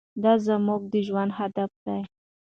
دا زموږ د ژوند هدف دی.